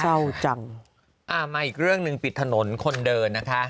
เศร้าจังอ่ามาอีกเรื่องหนึ่งปิดถนนคนเดินนะคะ